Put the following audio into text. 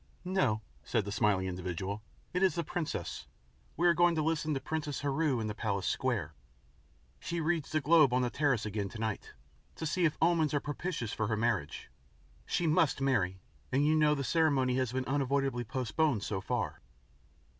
"No," said that smiling individual, "it is the princess. We are going to listen to Princess Heru in the palace square. She reads the globe on the terrace again tonight, to see if omens are propitious for her marriage. She MUST marry, and you know the ceremony has been unavoidably postponed so far."